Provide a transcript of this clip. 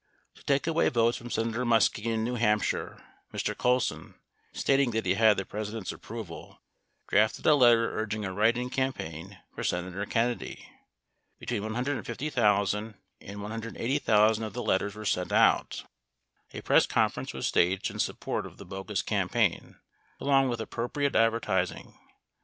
To take away votes from Senator Muskie in New Hampshire, Mr. Colson (stating that he had the President's approval) drafted a letter urging a write in campaign for Senator Kennedy. Between 150,000 and 180,000 of the letters were sent out, a press conference was staged in support of the bogus campaign, along with appropriate advertis ing.